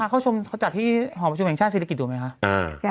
เขาจัดที่หอประชุมแห่งชาติศิริปุ่นดูไหมค่ะ